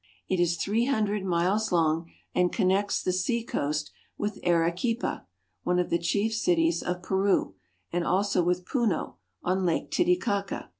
It is three hundred miles long, and connects the seacoast with Arequipa (a ra ke'pa), one of the chief cities of Peru, and also with Puno, on Lake Titicaca.